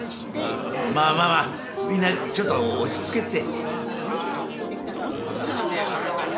まあまあまあみんなちょっと落ち着けって。